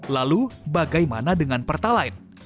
lalu bagaimana dengan pertalain